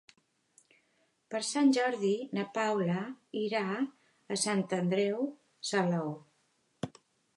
Per Sant Jordi na Paula irà a Sant Andreu Salou.